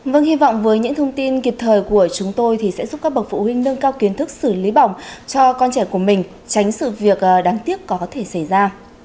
vâng hy vọng với những thông tin kịp thời của chúng tôi thì sẽ giúp các bậc phụ huynh nâng cao kiến thức xử lý bỏng cho con trẻ của mình tránh sự việc đáng tiếc có thể xảy ra